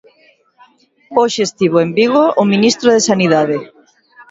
Hoxe estivo en Vigo o ministro de Sanidade.